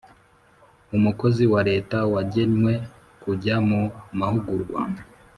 Umukozi wa Leta wagenwe kujya mu mahugurwa